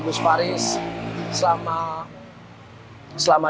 gus faris selama